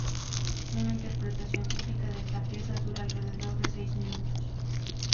Una interpretación típica de esta pieza dura alrededor de seis minutos.